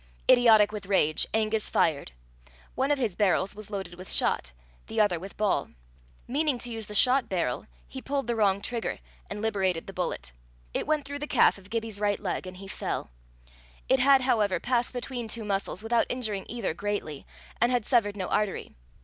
Idiotic with rage, Angus fired. One of his barrels was loaded with shot, the other with ball: meaning to use the shot barrel, he pulled the wrong trigger, and liberated the bullet. It went through the calf of Gibbie's right leg, and he fell. It had, however, passed between two muscles without injuring either greatly, and had severed no artery.